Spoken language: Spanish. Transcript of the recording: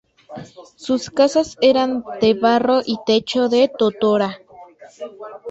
Sus casas eran de barro y techo de totora.